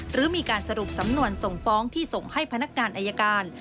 หรือมีการสรุปสำนวนส่งฟ้องที่ส่งให้พนักงานอายการ